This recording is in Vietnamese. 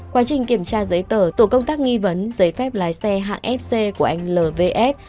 quá trình kiểm tra giấy tờ tổ công tác nghi vấn giấy phép lái xe hạng fc của anh lvs